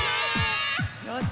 よし！